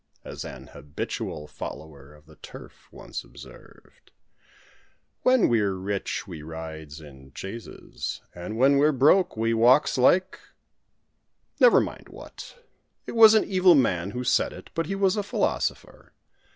As an habitual follower of the Turf once observed: "When we're rich we rides in chaises, And when we're broke we walks like " Never mind what. It was an evil man who said it, but he was a philosopher.